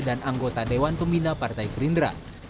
dan anggota dewan pembina partai gerindra